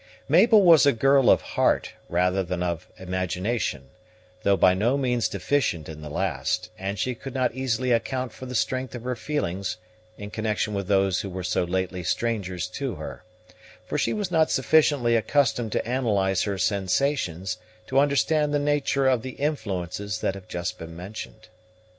Mabel was a girl of heart rather than of imagination, though by no means deficient in the last, and she could not easily account for the strength of her feelings in connection with those who were so lately strangers to her; for she was not sufficiently accustomed to analyze her sensations to understand the nature of the influences that have just been mentioned.